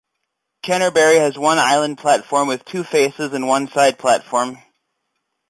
Canterbury has one island platform with two faces and one side platform.